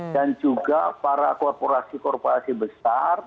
dan juga para korporasi korporasi besar